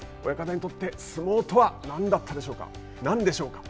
親方にとって相撲とは何だったでしょうか。